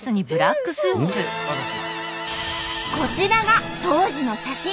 こちらが当時の写真！